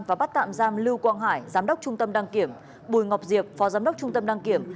và bắt tạm giam lưu quang hải giám đốc trung tâm đăng kiểm bùi ngọc diệp phó giám đốc trung tâm đăng kiểm